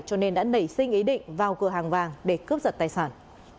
cho nên đã nảy sinh ý định vào cửa hàng vàng để cướp giật tài sản